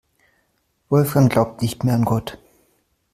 Wolfgang glaubt nicht mehr an Gott.